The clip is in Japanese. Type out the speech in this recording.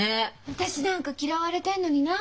私なんか嫌われてんのにな。